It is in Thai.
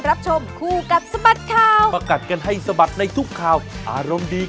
อันนี้ดี